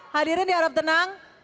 hadirin diharap tenang